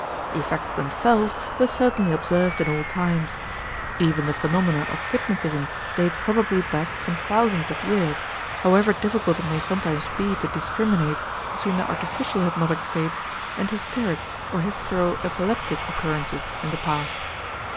The effects themselves were certainly observed in all times. Even the phenomena of hypnotism date probably back some thousands of years, however difficult it may sometimes be to discriminate between the artificial hypnotic states and hysteric or hystero epileptic occurrences in the past.